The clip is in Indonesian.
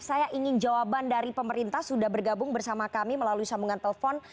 saya ingin jawaban dari pemerintah sudah bergabung bersama kami melalui sambungan telepon